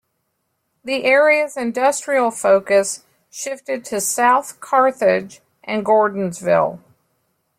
The area's industrial focus shifted to South Carthage and Gordonsville.